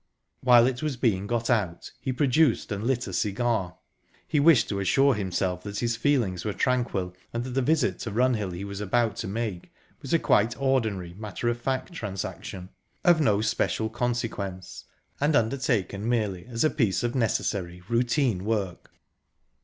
While it was being got out, he produced and lit a cigar. He wished to assure himself that his feelings were tranquil, and that the visit to Runhill he was about to make was a quite ordinary, matter of fact transaction, of no special consequence, and undertaken merely as a piece of necessary routine work...